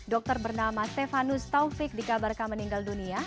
dokter bernama stefanus taufik dikabarkan meninggal dunia